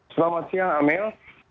selamat siang amel